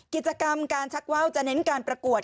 กิจกรรมการชักว่าวจะเน้นการประกวด